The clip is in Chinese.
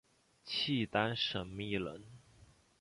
契丹审密人。